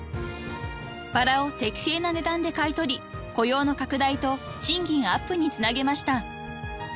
［バラを適正な値段で買い取り雇用の拡大と賃金アップにつなげました］